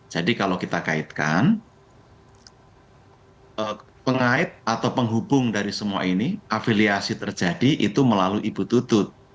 jadi kalau kita kaitkan pengait atau penghubung dari semua ini afiliasi terjadi itu melalui ibu tutut